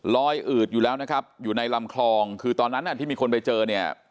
อืดอยู่แล้วนะครับอยู่ในลำคลองคือตอนนั้นที่มีคนไปเจอเนี่ย